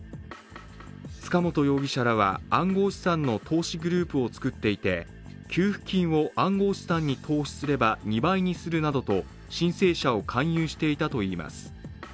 塚本容疑者らは暗号資産の投資グループを作っていて、給付金を暗号資産に投資すれば２倍にするなどと申請者を勧誘していたといいます。